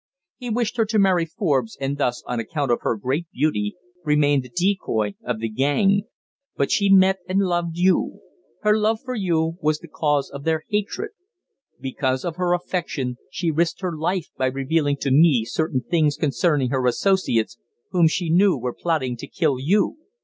He wished her to marry Forbes, and thus, on account of her great beauty, remain the decoy of the gang. But she met you, and loved you. Her love for you was the cause of their hatred. Because of her affection, she risked her life by revealing to me certain things concerning her associates, whom she knew were plotting to kill you.